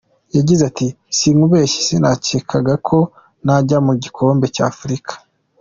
Yagize ati ’’Sinkubeshye sinakekaga ko najya mu gikombe cy’Afurika.